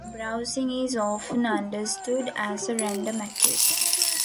Browsing is often understood as a random activity.